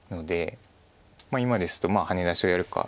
今ですとハネ出しをやるか